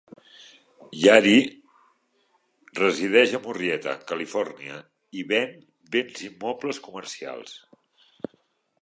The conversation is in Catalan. Yary resideix a Murrieta, Califòrnia, i ven béns immobles comercials.